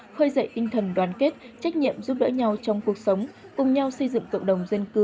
khơi dậy tinh thần đoàn kết trách nhiệm giúp đỡ nhau trong cuộc sống cùng nhau xây dựng cộng đồng dân cư